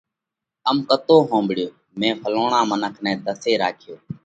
ام ڪيتو ۿومڀۯيو: ”مئين ڦلوڻا منک نئہ ڌسي راکيو